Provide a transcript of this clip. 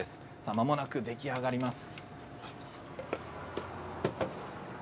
まもなく出来上がります。